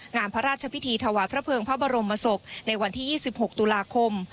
งานพระราชพิธีถวายพระเภิงพระบรมศพในวันที่๒๖ตุลาคม